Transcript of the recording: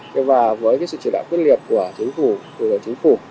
thế và với cái sự chỉ đạo quyết liệt của chính phủ